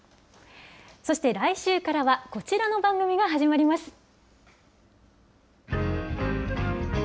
そして来週からはこちらの番組が始まります。